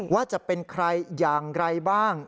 ว่าจะเป็นใครอย่างไรบ้าง